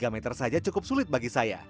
tiga meter saja cukup sulit bagi saya